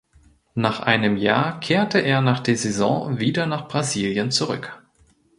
Nach einem Jahr kehrte er nach der Saison wieder nach Brasilien zurück.